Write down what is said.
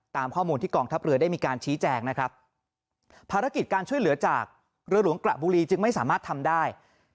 ตามข้อมูลที่กองทัพเรือได้มีการชี้แจงนะครับภารกิจการช่วยเหลือจากเรือหลวงกระบุรีจึงไม่สามารถทำได้